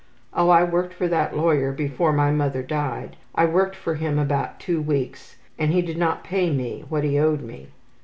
Oh, I worked for that lawyer before my mother died. I worked for him about two weeks and he did not pay me what he owed me.